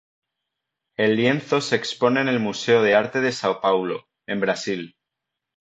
El lienzo se expone en el Museo de Arte de São Paulo, en Brasil.